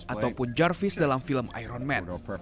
ataupun jarvis dalam film iron man